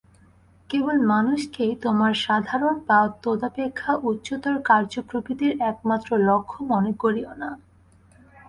কেবল মানুষকেই তোমার সাধারণ বা তদপেক্ষা উচ্চতর কার্যপ্রবৃত্তির একমাত্র লক্ষ্য মনে করিও না।